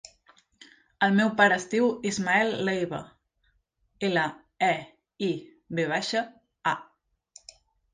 El meu pare es diu Ismael Leiva: ela, e, i, ve baixa, a.